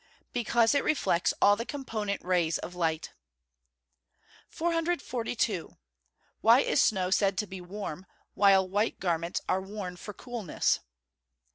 _ Because it reflects all the component rays of light. 442. _Why is snow said to be warm, while white garments are worn for coolness?